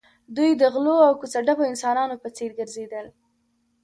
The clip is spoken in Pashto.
دوی د غلو او کوڅه ډبو انسانانو په څېر ګرځېدل